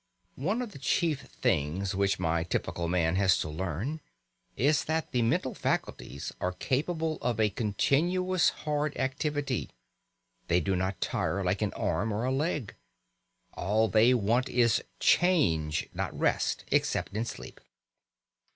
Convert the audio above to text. One of the chief things which my typical man has to learn is that the mental faculties are capable of a continuous hard activity; they do not tire like an arm or a leg. All they want is change not rest, except in sleep.